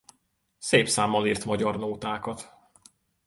Szép számmal irt magyar nótákat.